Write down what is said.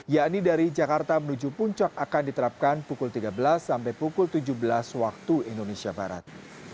yakni dari jakarta menuju puncak akan diterapkan pukul tiga belas sampai pukul tujuh belas waktu indonesia barat